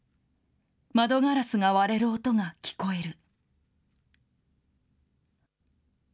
窓ガラスが割れる音が聞こえる。